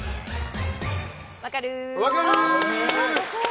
分かる！